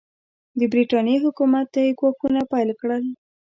د برټانیې حکومت ته یې ګواښونه پیل کړل.